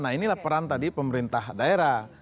nah inilah peran tadi pemerintah daerah